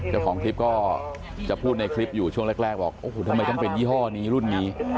เจ้าของคลิปก็จะพูดในคลิปอยู่ช่วงแรกบอกโอ้โหทำไมต้องเป็นยี่ห้อนี้รุ่นนี้